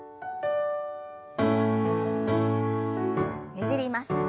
ねじります。